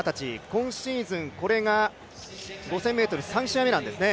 今シーズンこれが５０００ｍ、３試合目なんですね。